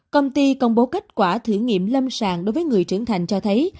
công ty công bố kết quả thử nghiệm lâm sàng đối với người trưởng thành cho thấy